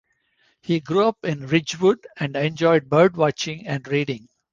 He grew up in Ridgewood and enjoyed bird-watching and reading.